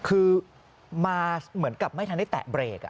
คือมาเหมือนกับไม่ทันได้แตะเบรก